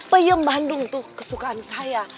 peyem bandung tuh kesukaan saya